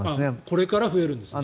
これから増えるんですね。